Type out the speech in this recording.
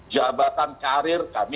jabatan karir kami